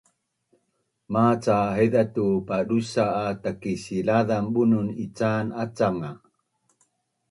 Maca haiza tu padusa’ a Takisilazan bunun ican acangan nga